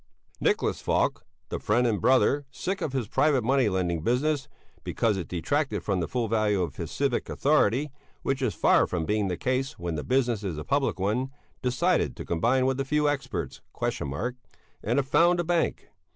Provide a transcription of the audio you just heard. Nicholas Falk, the friend and brother, sick of his private money lending business, because it detracted from the full value of his civic authority, which is far from being the case when the business is a public one, decided to combine with a few experts(?) and found a bank.